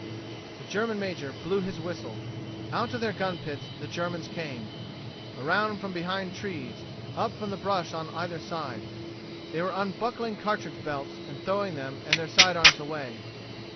The German major blew his whistle. Out of their gun pits the Germans came around from behind trees up from the brush on either side. They were unbuckling cartridge belts and throwing them and their side arms away.